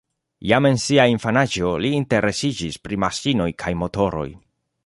Jam en sia infanaĝo li interesiĝis pri maŝinoj kaj motoroj.